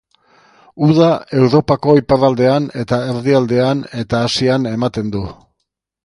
Uda Europako iparraldean eta erdialdean, eta Asian ematen du.